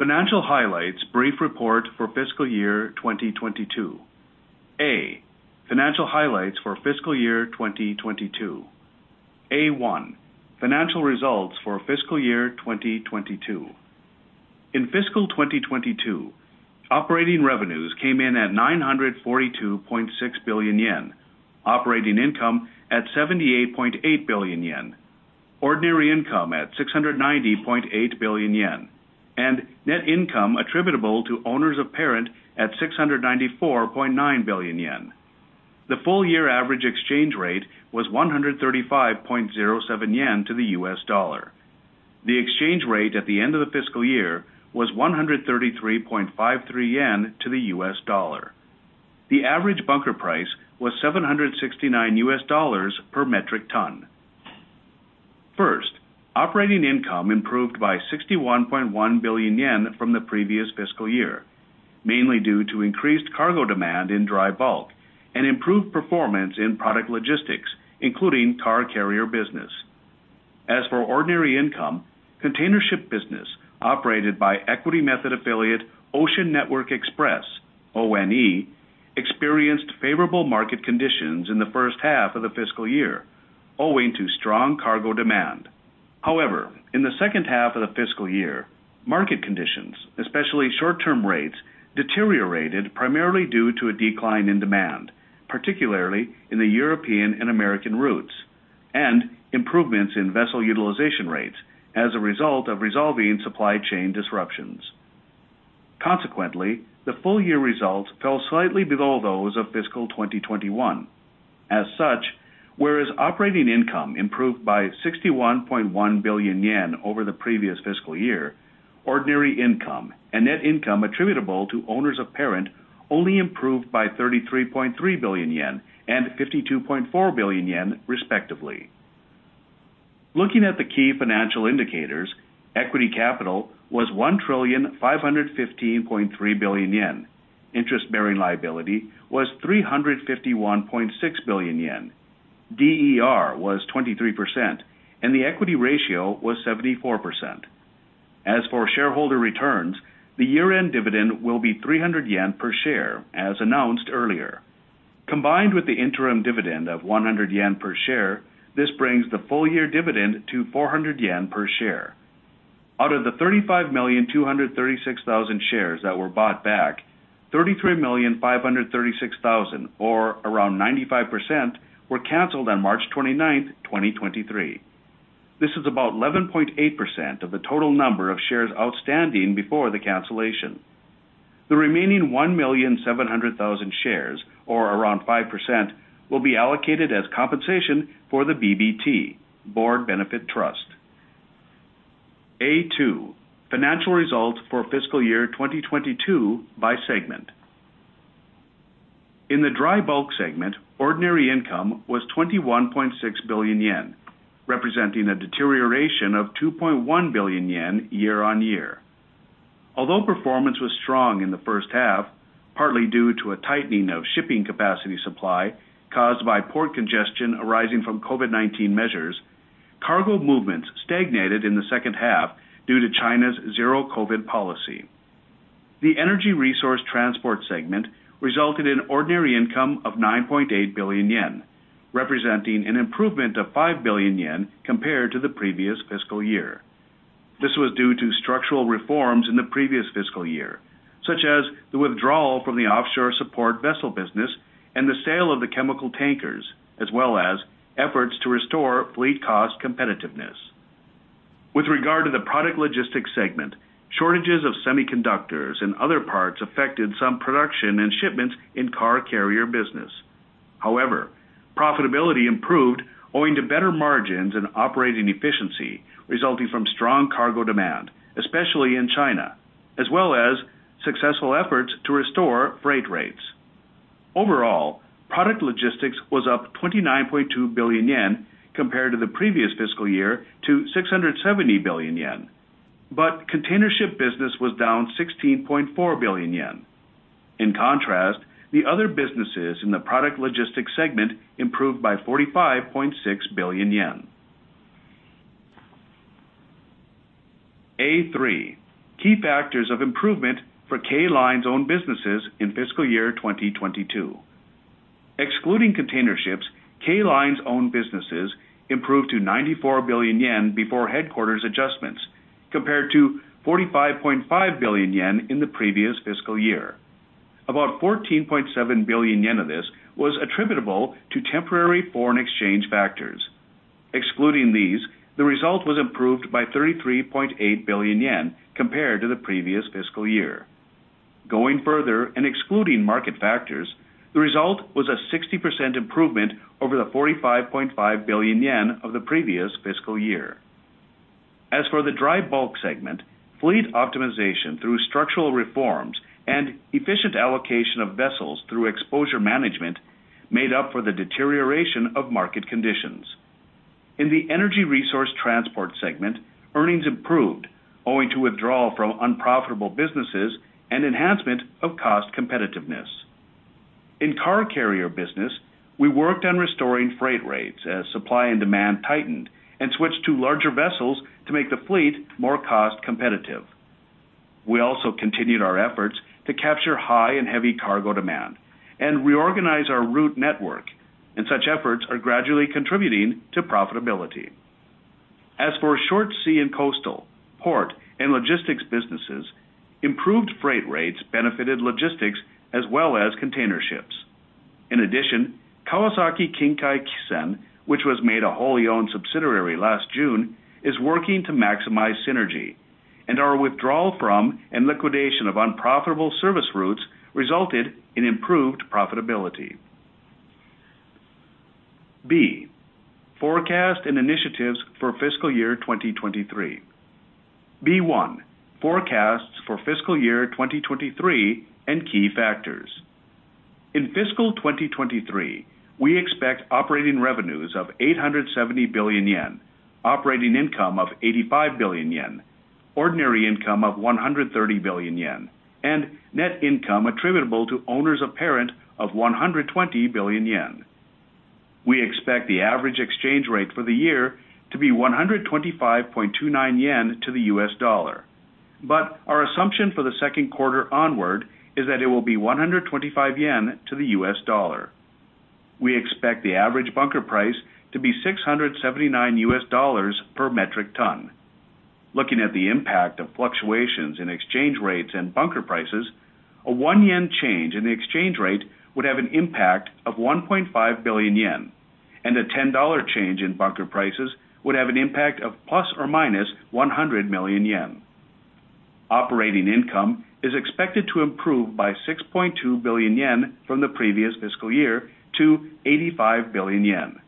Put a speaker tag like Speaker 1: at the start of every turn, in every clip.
Speaker 1: Financial highlights brief report for fiscal year 2022. A. Financial highlights for fiscal year 2022. A1. Financial results for fiscal year 2022. In fiscal 2022, operating revenues came in at 942.6 billion yen, operating income at 78.8 billion yen, ordinary income at 690.8 billion yen, and net income attributable to owners of parent at 694.9 billion yen. The full year average exchange rate was 135.07 yen to the U.S. dollar. The exchange rate at the end of the fiscal year was 133.53 yen to the U.S. dollar. The average bunker price was $769 per metric ton. First, operating income improved by 61.1 billion yen from the previous fiscal year, mainly due to increased cargo demand in Dry Bulk and improved performance in Product Logistics, including car carrier business. As for ordinary income, container ship business operated by equity method affiliate Ocean Network Express, ONE, experienced favorable market conditions in the first half of the fiscal year, owing to strong cargo demand. In the second half of the fiscal year, market conditions, especially short-term rates, deteriorated primarily due to a decline in demand, particularly in the European and American routes, and improvements in vessel utilization rates as a result of resolving supply chain disruptions. The full year results fell slightly below those of fiscal 2021. As such, whereas operating income improved by 61.1 billion yen over the previous fiscal year, ordinary income and net income attributable to owners of parent only improved by 33.3 billion yen and 52.4 billion yen, respectively. Looking at the key financial indicators, equity capital was 1,515.3 billion yen. Interest-bearing liability was 351.6 billion yen. DER was 23%, and the equity ratio was 74%. As for shareholder returns, the year-end dividend will be 300 yen per share, as announced earlier. Combined with the interim dividend of 100 yen per share, this brings the full year dividend to 400 yen per share. Out of the 35,236,000 shares that were bought back, 33,536,000, or around 95%, were canceled on March 29, 2023. This is about 11.8% of the total number of shares outstanding before the cancellation. The remaining 1,700,000 shares, or around 5%, will be allocated as compensation for the BBT, Board Benefit Trust. A2, Financial results for fiscal year 2022 by Segment. In the Dry Bulk segment, ordinary income was 21.6 billion yen, representing a deterioration of 2.1 billion yen year-on-year. Although performance was strong in the first half, partly due to a tightening of shipping capacity supply caused by port congestion arising from COVID-19 measures, cargo movements stagnated in the second half due to China's zero-COVID policy. The Energy Resource Transport segment resulted in ordinary income of 9.8 billion yen, representing an improvement of 5 billion yen compared to the previous fiscal year. This was due to structural reforms in the previous fiscal year, such as the withdrawal from the offshore support vessel business and the sale of the chemical tankers, as well as efforts to restore fleet cost competitiveness. With regard to the Product Logistics segment, shortages of semiconductors and other parts affected some production and shipments in car carrier business. Profitability improved owing to better margins and operating efficiency resulting from strong cargo demand, especially in China, as well as successful efforts to restore freight rates. Overall, Product Logistics was up 29.2 billion yen compared to the previous fiscal year to 670 billion yen. Container ship business was down 16.4 billion yen. In contrast, the other businesses in the Product Logistics segment improved by 45.6 billion yen. A3. Key factors of improvement for K Line's own businesses in fiscal year 2022. Excluding container ships, K Line's own businesses improved to 94 billion yen before headquarters adjustments, compared to 45.5 billion yen in the previous fiscal year. About 14.7 billion yen of this was attributable to temporary foreign exchange factors. Excluding these, the result was improved by 33.8 billion yen compared to the previous fiscal year. Going further and excluding market factors, the result was a 60% improvement over the 45.5 billion yen of the previous fiscal year. As for the Dry Bulk segment, fleet optimization through structural reforms and efficient allocation of vessels through exposure management made up for the deterioration of market conditions. In the Energy Resource Transport segment, earnings improved owing to withdrawal from unprofitable businesses and enhancement of cost competitiveness. In car carrier business, we worked on restoring freight rates as supply and demand tightened and switched to larger vessels to make the fleet more cost competitive. We also continued our efforts to capture high and heavy cargo demand and reorganize our route network, and such efforts are gradually contributing to profitability. As for short sea and coastal, port, and logistics businesses, improved freight rates benefited logistics as well as container ships. In addition, Kawasaki Kinkai Kisen, which was made a wholly owned subsidiary last June, is working to maximize synergy, and our withdrawal from and liquidation of unprofitable service routes resulted in improved profitability. B. Forecast and initiatives for fiscal year 2023. B1. Forecasts for fiscal year 2023 and key factors. In fiscal 2023, we expect operating revenues of 870 billion yen, operating income of 85 billion yen, ordinary income of 130 billion yen, and net income attributable to owners of parent of 120 billion yen. We expect the average exchange rate for the year to be 125.29 yen to the US dollar. Our assumption for the second quarter onward is that it will be 125 yen to the US dollar. We expect the average bunker price to be $679 per metric ton. Looking at the impact of fluctuations in exchange rates and bunker prices, a 1 yen change in the exchange rate would have an impact of 1.5 billion yen, and a $10 change in bunker prices would have an impact of ± 100 million yen. Operating income is expected to improve by 6.2 billion yen from the previous fiscal year to 85 billion yen.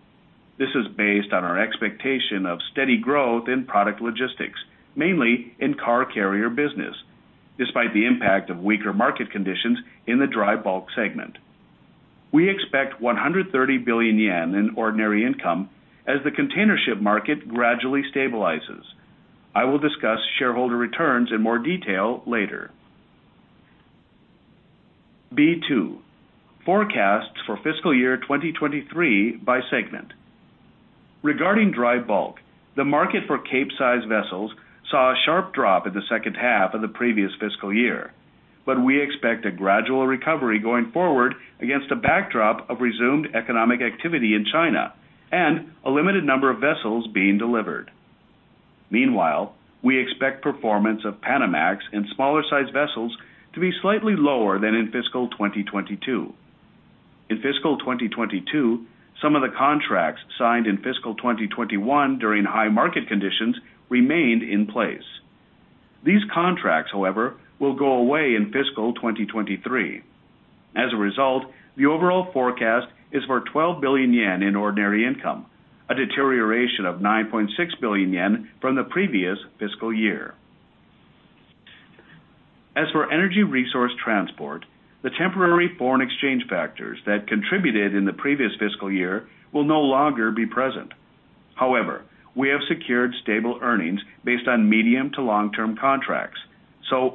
Speaker 1: This is based on our expectation of steady growth in Product Logistics, mainly in car carrier business, despite the impact of weaker market conditions in the Dry Bulk segment. We expect 130 billion yen in ordinary income as the container ship market gradually stabilizes. I will discuss shareholder returns in more detail later. B2, forecasts for fiscal year 2023 by segment. Regarding Dry Bulk, the market for Capesize vessels saw a sharp drop in the second half of the previous fiscal year, but we expect a gradual recovery going forward against a backdrop of resumed economic activity in China and a limited number of vessels being delivered. Meanwhile, we expect performance of Panamax in smaller-sized vessels to be slightly lower than in fiscal 2022. In fiscal 2022, some of the contracts signed in fiscal 2021 during high market conditions remained in place. These contracts, however, will go away in fiscal 2023. As a result, the overall forecast is for 12 billion yen in ordinary income, a deterioration of 9.6 billion yen from the previous fiscal year. As for Energy Resource Transport, the temporary foreign exchange factors that contributed in the previous fiscal year will no longer be present. We have secured stable earnings based on medium to long-term contracts,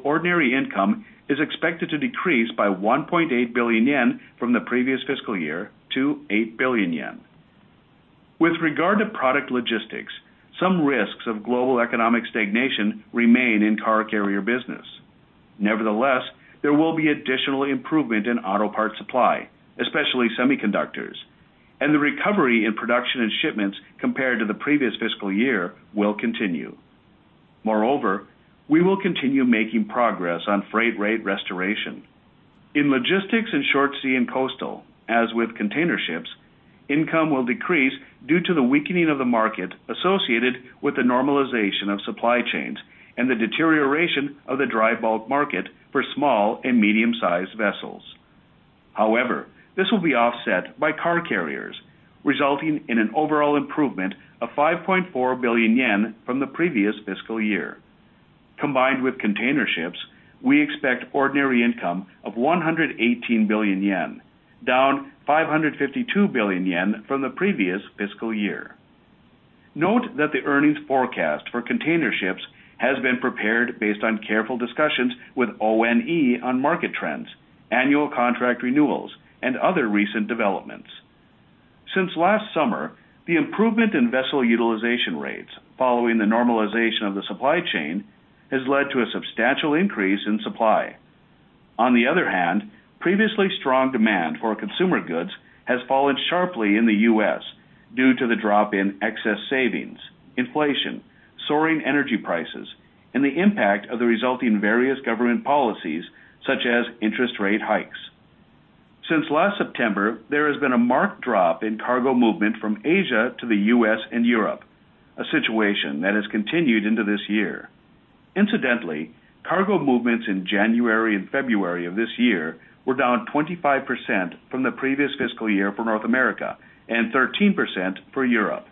Speaker 1: ordinary income is expected to decrease by 1.8 billion yen from the previous fiscal year to 8 billion yen. With regard to Product Logistics, some risks of global economic stagnation remain in car carrier business. There will be additional improvement in auto part supply, especially semiconductors, and the recovery in production and shipments compared to the previous fiscal year will continue. We will continue making progress on freight rate restoration. In logistics and short sea and coastal, as with container ships, income will decrease due to the weakening of the market associated with the normalization of supply chains and the deterioration of the Dry Bulk market for small and medium-sized vessels. However, this will be offset by car carriers, resulting in an overall improvement of 5.4 billion yen from the previous fiscal year. Combined with container ships, we expect ordinary income of 118 billion yen, down 552 billion yen from the previous fiscal year. Note that the earnings forecast for container ships has been prepared based on careful discussions with ONE on market trends, annual contract renewals, and other recent developments. Since last summer, the improvement in vessel utilization rates following the normalization of the supply chain has led to a substantial increase in supply. On the other hand, previously strong demand for consumer goods has fallen sharply in the U.S. due to the drop in excess savings, inflation, soaring energy prices, and the impact of the resulting various government policies, such as interest rate hikes. Since last September, there has been a marked drop in cargo movement from Asia to the U.S. and Europe, a situation that has continued into this year. Incidentally, cargo movements in January and February of this year were down 25% from the previous fiscal year for North America and 13% for Europe.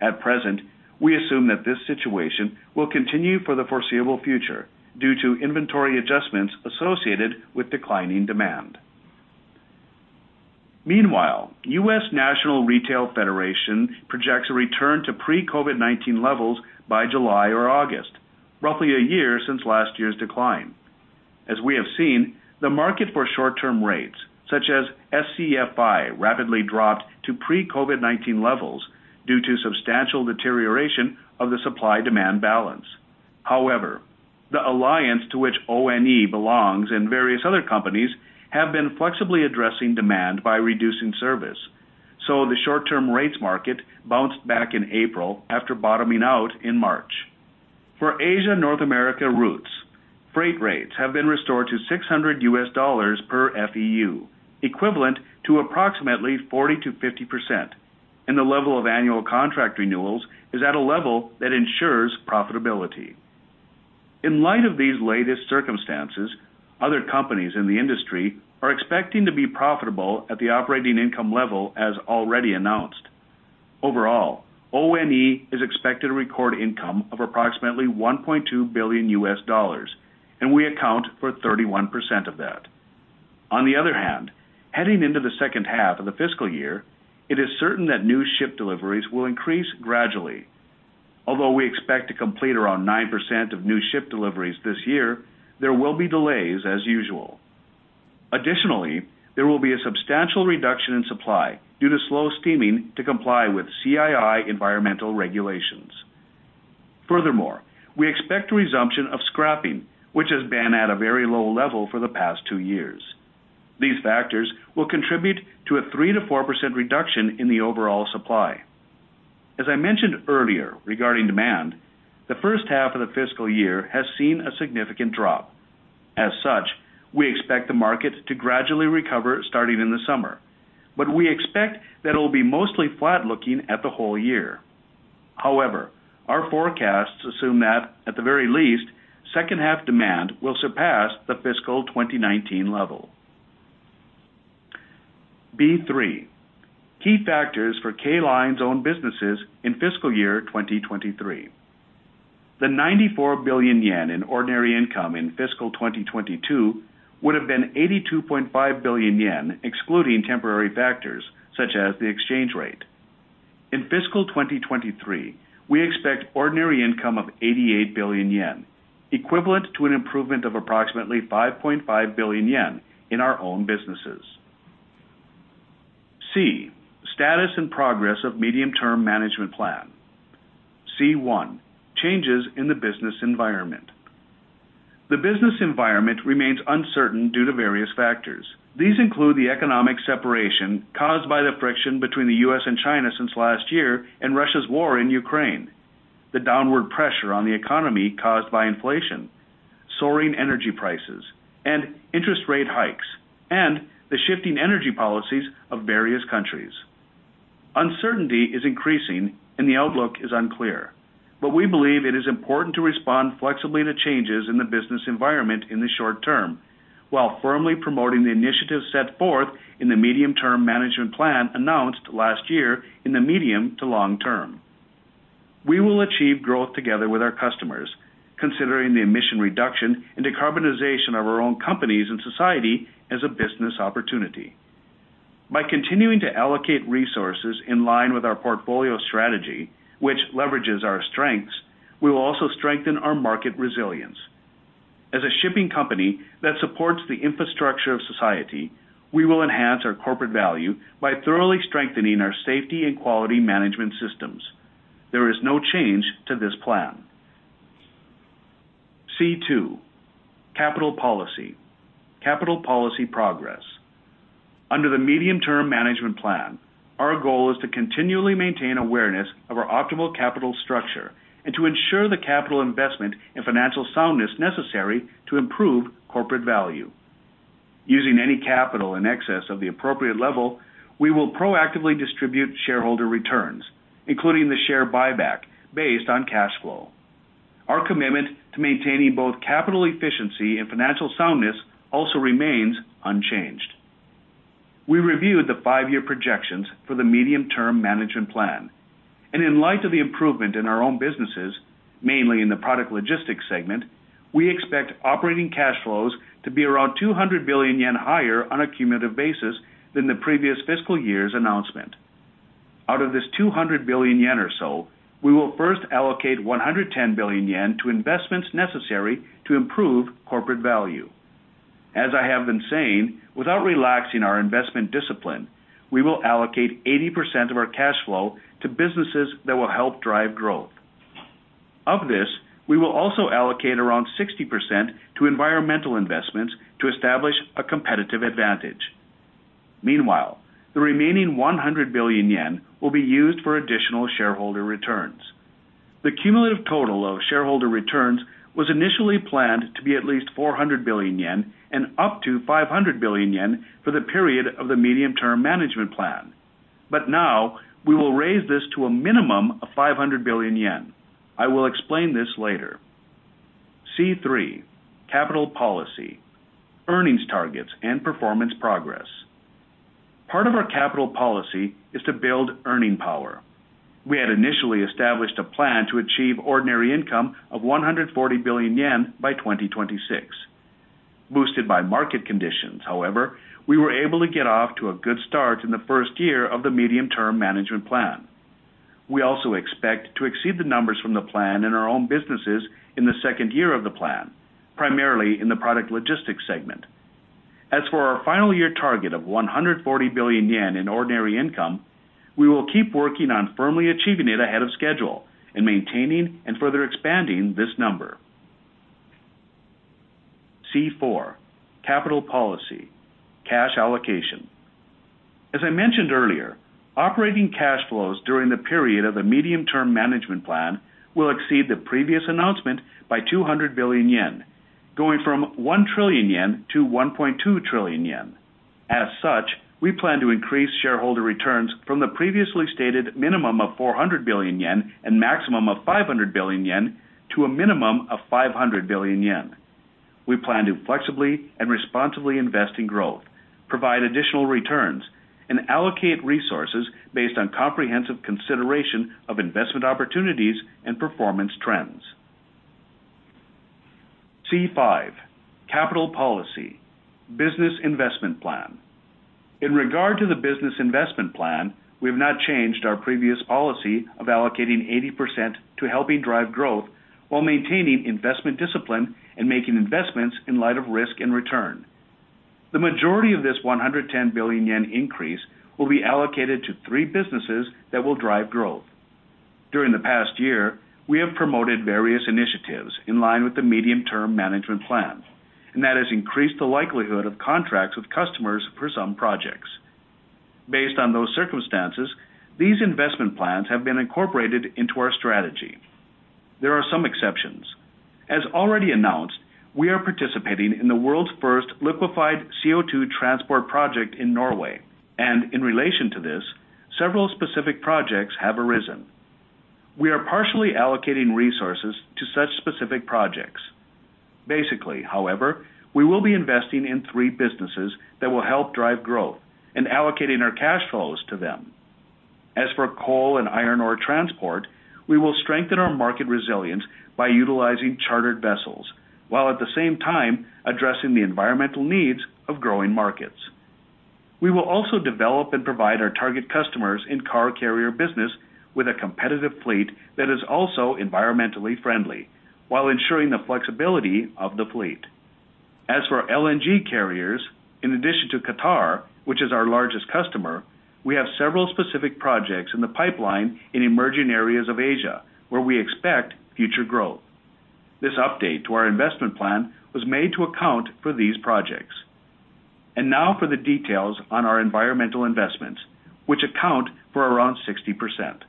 Speaker 1: At present, we assume that this situation will continue for the foreseeable future due to inventory adjustments associated with declining demand. Meanwhile, the U.S. National Retail Federation projects a return to pre-COVID-19 levels by July or August, roughly a year since last year's decline. As we have seen, the market for short-term rates, such as SCFI, rapidly dropped to pre-COVID-19 levels due to substantial deterioration of the supply-demand balance. The alliance to which ONE belongs and various other companies have been flexibly addressing demand by reducing service. The short-term rates market bounced back in April after bottoming out in March. For Asia North America routes, freight rates have been restored to $600 per FEU, equivalent to approximately 40%-50%, and the level of annual contract renewals is at a level that ensures profitability. In light of these latest circumstances, other companies in the industry are expecting to be profitable at the operating income level as already announced. Overall, ONE is expected to record income of approximately $1.2 billion, and we account for 31% of that. On the other hand, heading into the second half of the fiscal year, it is certain that new ship deliveries will increase gradually. Although we expect to complete around 9% of new ship deliveries this year, there will be delays as usual. Additionally, there will be a substantial reduction in supply due to slow steaming to comply with CII environmental regulations. Furthermore, we expect a resumption of scrapping, which has been at a very low level for the past two years. These factors will contribute to a 3%-4% reduction in the overall supply. As I mentioned earlier regarding demand, the first half of the fiscal year has seen a significant drop. As such, we expect the market to gradually recover starting in the summer, but we expect that it will be mostly flat looking at the whole year. However, our forecasts assume that, at the very least, second half demand will surpass the fiscal 2019 level. B3, key factors for K Line's own businesses in fiscal year 2023. The 94 billion yen in ordinary income in fiscal 2022 would have been 82.5 billion yen, excluding temporary factors such as the exchange rate. In fiscal 2023, we expect ordinary income of 88 billion yen, equivalent to an improvement of approximately 5.5 billion yen in our own businesses. C. Status and progress of medium-term management plan. C1. Changes in the business environment. The business environment remains uncertain due to various factors. These include the economic separation caused by the friction between the U.S. and China since last year and Russia's war in Ukraine, the downward pressure on the economy caused by inflation, soaring energy prices, and interest rate hikes, and the shifting energy policies of various countries. Uncertainty is increasing and the outlook is unclear. We believe it is important to respond flexibly to changes in the business environment in the short term, while firmly promoting the initiatives set forth in the medium-term management plan announced last year in the medium to long term. We will achieve growth together with our customers, considering the emission reduction and decarbonization of our own companies and society as a business opportunity. By continuing to allocate resources in line with our portfolio strategy, which leverages our strengths, we will also strengthen our market resilience. As a shipping company that supports the infrastructure of society, we will enhance our corporate value by thoroughly strengthening our safety and quality management systems. There is no change to this plan. C2, capital policy. Capital policy progress. Under the medium-term management plan, our goal is to continually maintain awareness of our optimal capital structure and to ensure the capital investment and financial soundness necessary to improve corporate value. Using any capital in excess of the appropriate level, we will proactively distribute shareholder returns, including the share buyback based on cash flow. Our commitment to maintaining both capital efficiency and financial soundness also remains unchanged. We reviewed the five-year projections for the medium-term management plan. In light of the improvement in our own businesses, mainly in the Product Logistics segment, we expect operating cash flows to be around 200 billion yen higher on a cumulative basis than the previous fiscal year's announcement. Out of this 200 billion yen or so, we will first allocate 110 billion yen to investments necessary to improve corporate value. As I have been saying, without relaxing our investment discipline, we will allocate 80% of our cash flow to businesses that will help drive growth. Of this, we will also allocate around 60% to environmental investments to establish a competitive advantage. Meanwhile, the remaining 100 billion yen will be used for additional shareholder returns. The cumulative total of shareholder returns was initially planned to be at least 400 billion yen and up to 500 billion yen for the period of the medium-term management plan. Now we will raise this to a minimum of 500 billion yen. I will explain this later. C3, capital policy, earnings targets and performance progress. Part of our capital policy is to build earning power. We had initially established a plan to achieve ordinary income of 140 billion yen by 2026. Boosted by market conditions, however, we were able to get off to a good start in the first year of the medium-term management plan. We also expect to exceed the numbers from the plan in our own businesses in the second year of the plan, primarily in the Product Logistics segment. As for our final year target of 140 billion yen in ordinary income, we will keep working on firmly achieving it ahead of schedule and maintaining and further expanding this number. C4, Capital Policy, Cash Allocation. As I mentioned earlier, operating cash flows during the period of the medium-term management plan will exceed the previous announcement by 200 billion yen, going from 1 trillion yen to 1.2 trillion yen. As such, we plan to increase shareholder returns from the previously stated minimum of 400 billion yen and maximum of 500 billion yen to a minimum of 500 billion yen. We plan to flexibly and responsibly invest in growth, provide additional returns, and allocate resources based on comprehensive consideration of investment opportunities and performance trends. C5, Capital Policy, Business Investment Plan. In regard to the business investment plan, we have not changed our previous policy of allocating 80% to helping drive growth while maintaining investment discipline and making investments in light of risk and return. The majority of this 110 billion yen increase will be allocated to three businesses that will drive growth. During the past year, we have promoted various initiatives in line with the medium-term management plan, and that has increased the likelihood of contracts with customers for some projects. Based on those circumstances, these investment plans have been incorporated into our strategy. There are some exceptions. As already announced, we are participating in the world's first liquefied CO2 transport project in Norway, and in relation to this, several specific projects have arisen. We are partially allocating resources to such specific projects. Basically, however, we will be investing in three businesses that will help drive growth and allocating our cash flows to them. As for coal and iron ore transport, we will strengthen our market resilience by utilizing chartered vessels, while at the same time addressing the environmental needs of growing markets. We will also develop and provide our target customers in car carrier business with a competitive fleet that is also environmentally friendly while ensuring the flexibility of the fleet. As for LNG carriers, in addition to Qatar, which is our largest customer, we have several specific projects in the pipeline in emerging areas of Asia where we expect future growth. This update to our investment plan was made to account for these projects. Now for the details on our environmental investments, which account for around 60%.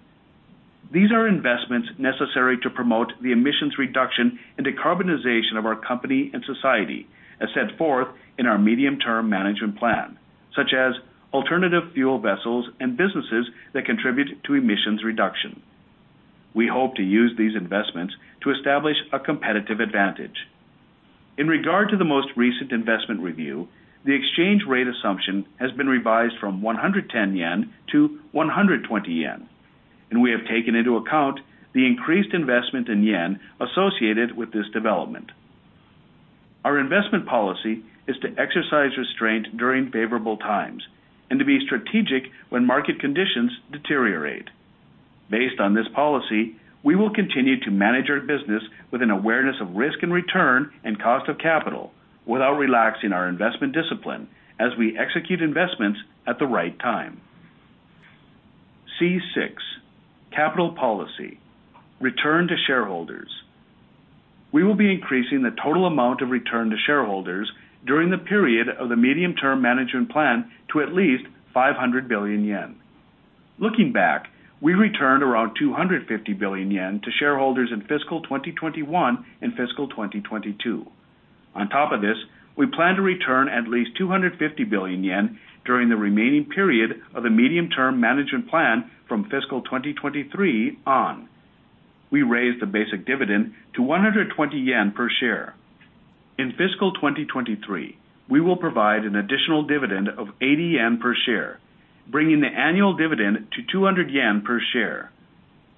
Speaker 1: These are investments necessary to promote the emissions reduction and decarbonization of our company and society, as set forth in our medium-term management plan, such as alternative fuel vessels and businesses that contribute to emissions reduction. We hope to use these investments to establish a competitive advantage. In regard to the most recent investment review, the exchange rate assumption has been revised from 110 yen to 120 yen, and we have taken into account the increased investment in JPY associated with this development. Our investment policy is to exercise restraint during favorable times and to be strategic when market conditions deteriorate. Based on this policy, we will continue to manage our business with an awareness of risk and return and cost of capital without relaxing our investment discipline as we execute investments at the right time. C6, Capital Policy, Return to Shareholders. We will be increasing the total amount of return to shareholders during the period of the medium-term management plan to at least 500 billion yen. Looking back, we returned around 250 billion yen to shareholders in fiscal 2021 and fiscal 2022. On top of this, we plan to return at least 250 billion yen during the remaining period of the medium-term management plan from fiscal 2023 on. We raised the basic dividend to 120 yen per share. In fiscal 2023, we will provide an additional dividend of 80 yen per share, bringing the annual dividend to 200 yen per share.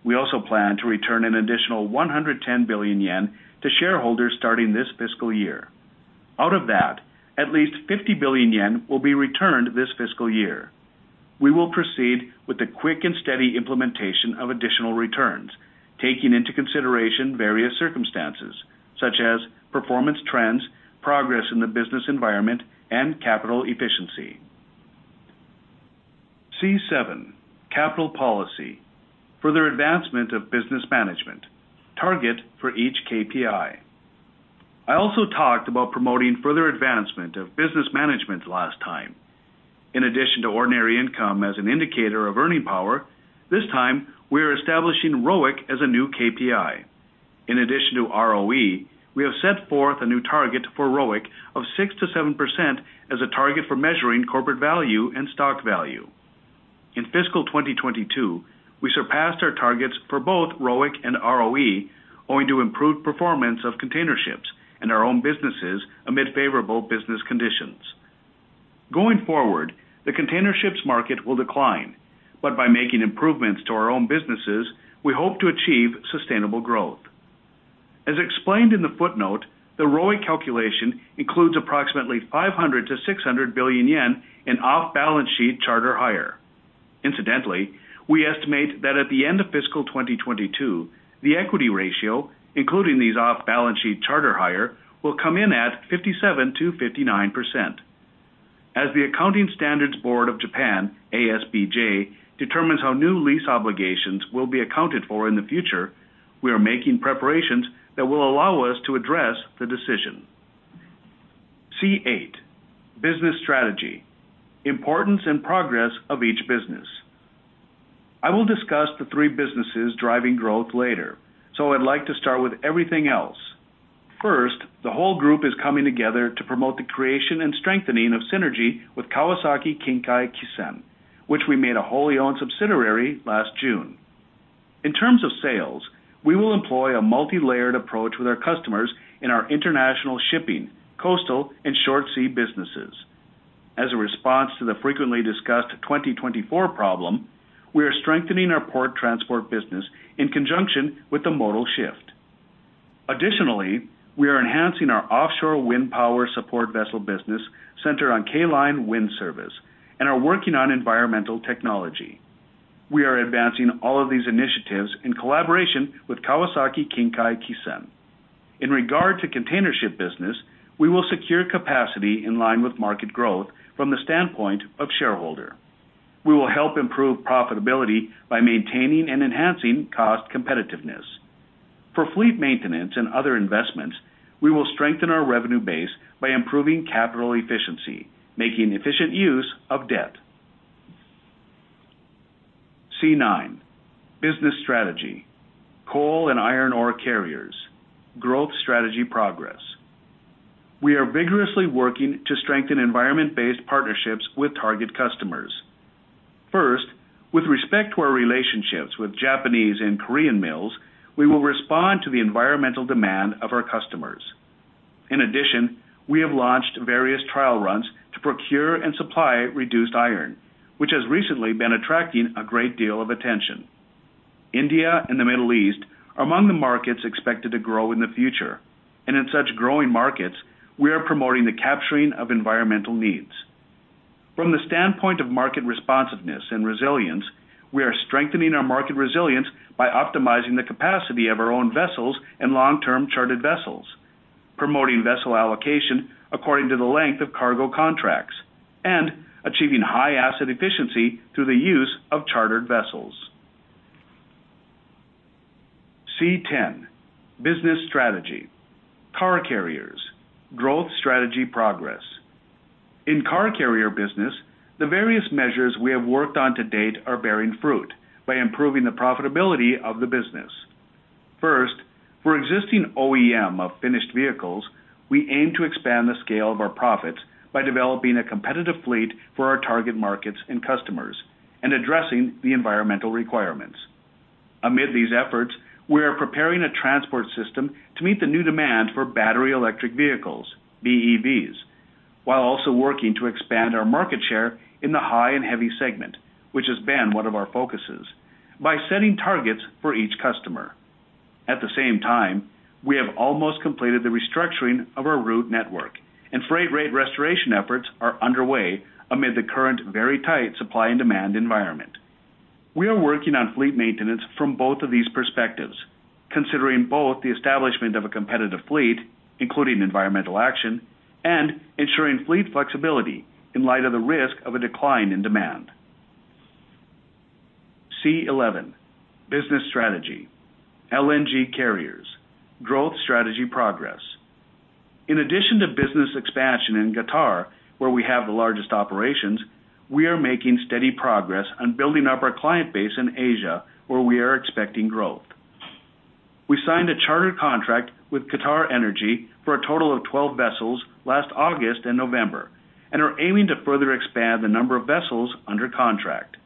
Speaker 1: We also plan to return an additional 110 billion yen to shareholders starting this fiscal year. Out of that, at least 50 billion yen will be returned this fiscal year. We will proceed with the quick and steady implementation of additional returns, taking into consideration various circumstances such as performance trends, progress in the business environment, and capital efficiency. C7, Capital Policy, Further Advancement of Business Management, Target for Each KPI. I also talked about promoting further advancement of business management last time. In addition to ordinary income as an indicator of earning power, this time, we are establishing ROIC as a new KPI. In addition to ROE, we have set forth a new target for ROIC of 6%-7% as a target for measuring corporate value and stock value. In fiscal 2022, we surpassed our targets for both ROIC and ROE owing to improved performance of containerships and our own businesses amid favorable business conditions. Going forward, the containerships market will decline, but by making improvements to our own businesses, we hope to achieve sustainable growth. As explained in the footnote, the ROIC calculation includes approximately 500 billion-600 billion yen in off-balance sheet charter hire. Incidentally, we estimate that at the end of fiscal 2022, the equity ratio, including these off-balance sheet charter hire, will come in at 57%-59%. As the Accounting Standards Board of Japan, ASBJ, determines how new lease obligations will be accounted for in the future, we are making preparations that will allow us to address the decision. C8, business strategy. Importance and progress of each business. I will discuss the three businesses driving growth later, so I'd like to start with everything else. First, the whole group is coming together to promote the creation and strengthening of synergy with Kawasaki Kinkai Kisen, which we made a wholly-owned subsidiary last June. In terms of sales, we will employ a multilayered approach with our customers in our international shipping, coastal, and short sea businesses. As a response to the frequently discussed 2024 Problem, we are strengthening our port transport business in conjunction with the modal shift. Additionally, we are enhancing our offshore wind power support vessel business centered on "K" Line Wind Service and are working on environmental technology. We are advancing all of these initiatives in collaboration with Kawasaki Kinkai Kisen. In regard to containership business, we will secure capacity in line with market growth from the standpoint of shareholder. We will help improve profitability by maintaining and enhancing cost competitiveness. For fleet maintenance and other investments, we will strengthen our revenue base by improving capital efficiency, making efficient use of debt. C9, business strategy. Coal and iron ore carriers. Growth strategy progress. We are vigorously working to strengthen environment-based partnerships with target customers. First, with respect to our relationships with Japanese and Korean mills, we will respond to the environmental demand of our customers. We have launched various trial runs to procure and supply reduced iron, which has recently been attracting a great deal of attention. India and the Middle East are among the markets expected to grow in the future. In such growing markets, we are promoting the capturing of environmental needs. From the standpoint of market responsiveness and resilience, we are strengthening our market resilience by optimizing the capacity of our own vessels and long-term chartered vessels, promoting vessel allocation according to the length of cargo contracts, and achieving high asset efficiency through the use of chartered vessels. C10, business strategy. Car carriers. Growth strategy progress. In car carrier business, the various measures we have worked on to date are bearing fruit by improving the profitability of the business. First, for existing OEM of finished vehicles, we aim to expand the scale of our profits by developing a competitive fleet for our target markets and customers and addressing the environmental requirements. Amid these efforts, we are preparing a transport system to meet the new demand for Battery Electric Vehicles, BEVs, while also working to expand our market share in the high and heavy segment, which has been one of our focuses, by setting targets for each customer. At the same time, we have almost completed the restructuring of our route network, and freight rate restoration efforts are underway amid the current very tight supply and demand environment. We are working on fleet maintenance from both of these perspectives, considering both the establishment of a competitive fleet, including environmental action, and ensuring fleet flexibility in light of the risk of a decline in demand. C11, business strategy. LNG carriers. Growth strategy progress. In addition to business expansion in Qatar, where we have the largest operations, we are making steady progress on building up our client base in Asia, where we are expecting growth. We signed a charter contract with QatarEnergy for a total of 12 vessels last August and November and are aiming to further expand the number of vessels under contract.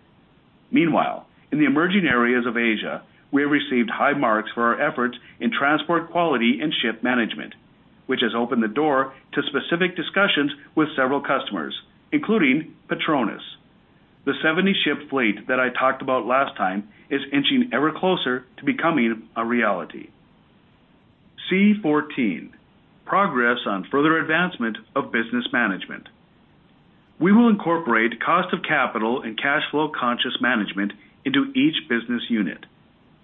Speaker 1: Meanwhile, in the emerging areas of Asia, we have received high marks for our efforts in transport quality and ship management, which has opened the door to specific discussions with several customers, including PETRONAS. The 70-ship fleet that I talked about last time is inching ever closer to becoming a reality. C14, progress on further advancement of business management. We will incorporate cost of capital and cash flow conscious management into each business unit.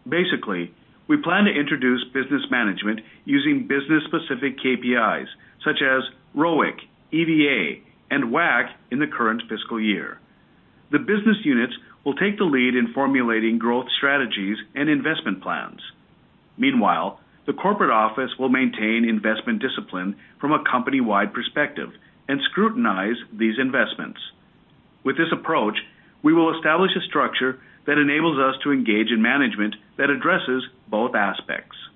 Speaker 1: Basically, we plan to introduce business management using business-specific KPIs such as ROIC, EVA, and WACC in the current fiscal year. The business units will take the lead in formulating growth strategies and investment plans. Meanwhile, the corporate office will maintain investment discipline from a company-wide perspective and scrutinize these investments. With this approach, we will establish a structure that enables us to engage in management that addresses both aspects.